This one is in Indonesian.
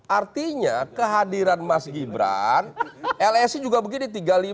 artinya kehadiran mas gibran lsi juga begini tiga puluh lima dua puluh lima delapan belas